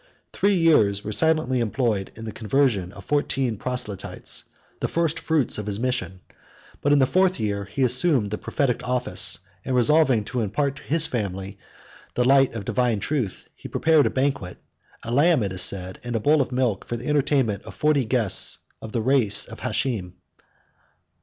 Three years were silently employed in the conversion of fourteen proselytes, the first fruits of his mission; but in the fourth year he assumed the prophetic office, and resolving to impart to his family the light of divine truth, he prepared a banquet, a lamb, as it is said, and a bowl of milk, for the entertainment of forty guests of the race of Hashem.